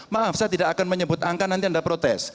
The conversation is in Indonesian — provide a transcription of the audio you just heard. maaf saya tidak akan menyebut angka nanti anda protes